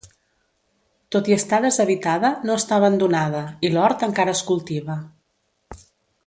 Tot i estar deshabitada no està abandonada i l'hort encara es cultiva.